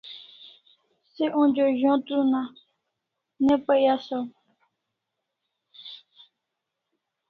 Se onja Z'ontr up na pai asaw